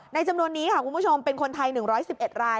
จำนวนนี้ค่ะคุณผู้ชมเป็นคนไทย๑๑๑ราย